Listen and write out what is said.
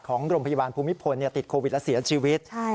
ของโรงพยาบาลภูมิพลติดโควิดและเสียชีวิต